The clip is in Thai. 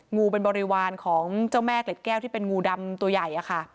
งูเป็นบริวารของเจ้าแม่เกล็ดแก้วที่เป็นงูดำตัวใหญ่อะค่ะ